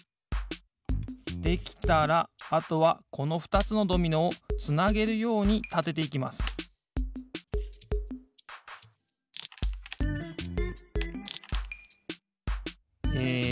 できたらあとはこのふたつのドミノをつなげるようにたてていきますえ